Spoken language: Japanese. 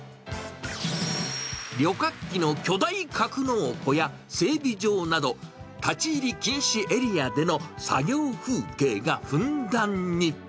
旅客機の巨大格納庫や整備場など、立ち入り禁止エリアでの作業風景がふんだんに。